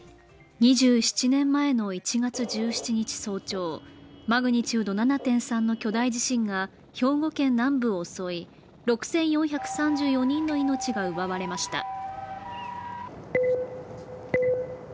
２７年前の１月１７日早朝マグニチュード７．３の巨大地震が兵庫県南部を襲い、６４３４人の命が奪われました。